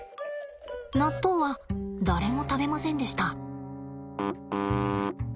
納豆は誰も食べませんでした。